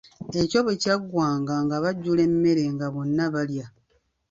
Ekyo bwe kyaggwanga nga bajjula emmere nga bonna balya.